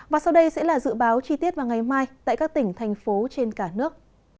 và sau đây sẽ là dự báo chi tiết vào ngày mai tại các tỉnh thành phố trên cả nước